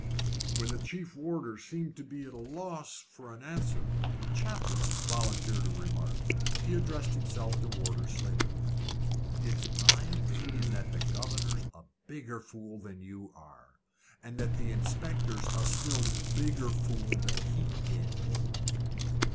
When the chief warder seemed at a loss for an answer, the chaplain volunteered a remark. He addressed himself to Warder Slater. "It's my opinion that the governor's a bigger fool than you are, and that the inspector's a still bigger fool than he is."